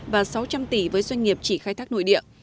và sáu trăm linh tỷ với doanh nghiệp chỉ khai thác nội địa